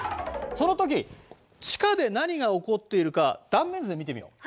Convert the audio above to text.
そのとき地下で何が起こっているか断面図で見てみよう。